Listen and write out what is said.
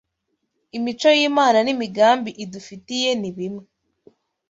Imico y’Imana n’imigambi idufitiye ni bimwe